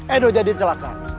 edo jadi celaka